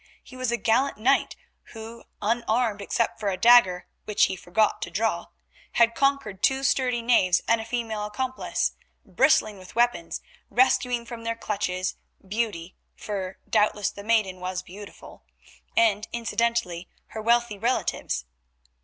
he was a gallant knight who, unarmed, except for a dagger, which he forgot to draw, had conquered two sturdy knaves and a female accomplice, bristling with weapons, rescuing from their clutches Beauty (for doubtless the maiden was beautiful), and, incidentally, her wealthy relatives.